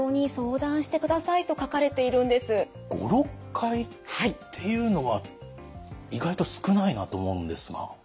５６回っていうのは意外と少ないなと思うんですが。